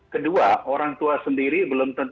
kedua orang tua sendiri belum tentu